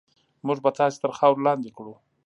موږ به تاسې تر خاورو لاندې کړو.